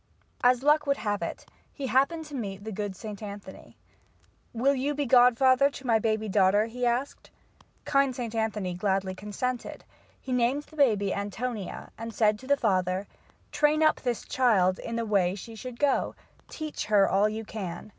As luck would have it, he happened to meet the good St. Anthony. "Will you be godfather to my baby daughter?" he asked. Kind St. Anthony gladly consented. He named the baby Antonia, and said to the father: "Train up this child in the way she should go. Teach her all you can.